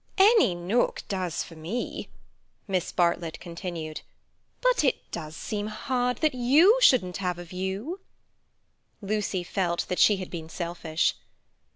"Any nook does for me," Miss Bartlett continued; "but it does seem hard that you shouldn't have a view." Lucy felt that she had been selfish.